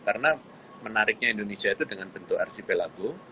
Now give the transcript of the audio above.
karena menariknya indonesia itu dengan bentuk arsipelago